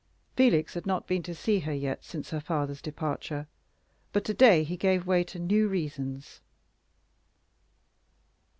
Felix had not been to see her yet since her father's departure, but to day he gave way to new reasons.